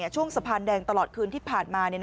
ช่วงสะพานแดงตลอดคืนที่ผ่านมา